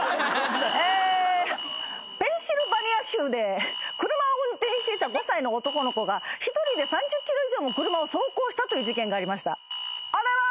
ペンシルベニア州で車を運転していた５歳の男の子が一人で３０ｋｍ以上も車を走行したという事件がありました。